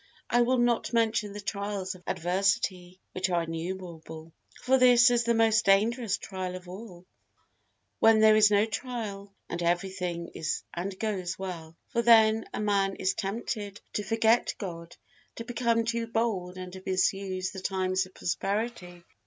I will not mention the trials of adversity, which are innumerable. For this is the most dangerous trial of all, when there is no trial and every thing is and goes well; for then a man is tempted to forget God, to become too bold and to misuse the times of prosperity.